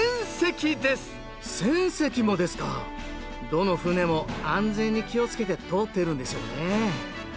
どの船も安全に気をつけて通ってるんでしょうね。